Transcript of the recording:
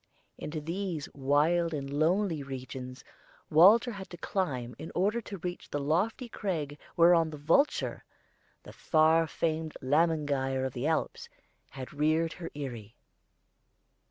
Into these wild and lonely regions Walter had to climb in order to reach the lofty crag whereon the vulture the far famed Lämmergeier of the Alps had reared her eyrie.